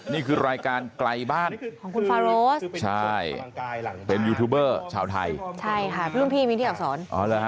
นี่เห็นไหมครับนี่คือรายการไกลบ้าน